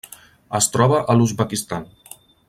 Es troba a l'Uzbekistan.